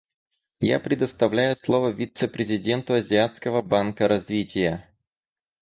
Я предоставляю слово вице-президенту Азиатского банка развития.